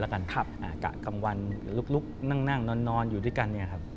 กะกลางวันลูกนั่งนอนอยู่ด้วยกัน